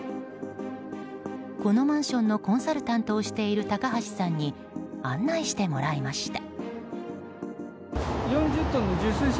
このマンションのコンサルタントをしている高橋さんに案内してもらいました。